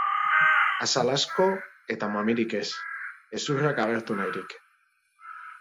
Azal asko eta mamirik ez, hezurrak agertu nahirik.